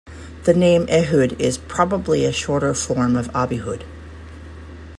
The name "Ehud" is probably a shorter form of "Abihud.